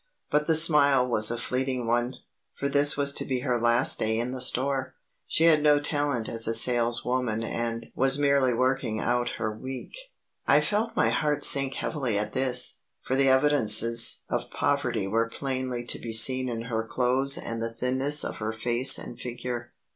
But the smile was a fleeting one, for this was to be her last day in the store; she had no talent as a saleswoman and was merely working out her week. I felt my heart sink heavily at this, for the evidences of poverty were plainly to be seen in her clothes and the thinness of her face and figure.